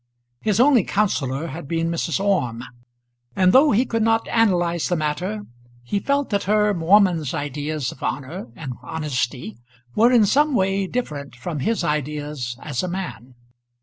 His only counsellor had been Mrs. Orme; and, though he could not analyze the matter, he felt that her woman's ideas of honour and honesty were in some way different from his ideas as a man.